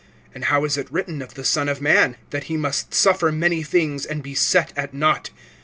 And how is it written of the Son of man? That he must suffer many things, and be set at naught.